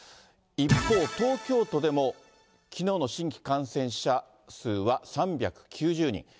一方、東京都でもきのうの新規感染者数は３９０人。